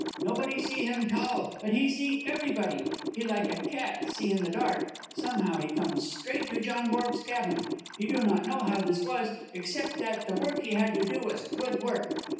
Nobody see him 'tall, but he see everybody. He like a cat, see in the dark. Somehow, he come straight to John Borg's cabin. He do not know how this was, except that the work he had to do was good work."